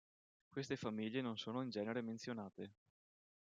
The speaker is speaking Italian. Queste famiglie non sono in genere menzionate.